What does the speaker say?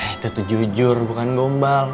itu tuh jujur bukan gombal